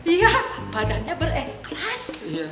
iya badannya bereng keras